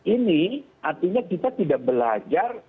ini artinya kita tidak belajar